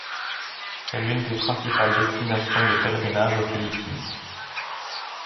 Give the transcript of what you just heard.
C'est l'une des principales destinations de pèlerinage aux Philippines.